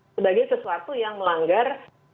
sebagai sesuatu yang melanggar